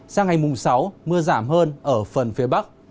sang ngày mùng sáu mưa giảm hơn ở phần phía bắc